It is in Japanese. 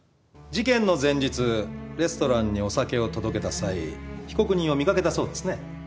事件の前日レストランにお酒を届けた際被告人を見掛けたそうですね？